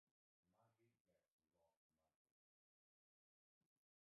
Maggie gets rock mugging.